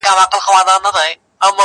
نه هغه غر، نه دامانه سته زه به چیري ځمه!